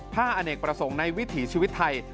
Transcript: อเนกประสงค์ในวิถีชีวิตไทย